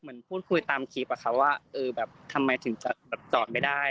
เหมือนพูดคุยตามคลิปว่าทำไมถึงจะจอดไม่ได้